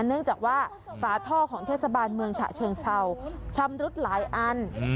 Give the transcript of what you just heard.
เนื่องจากว่าฝาท่อของเทศบาลเมืองฉะเชิงเศร้าชำรุดหลายอัน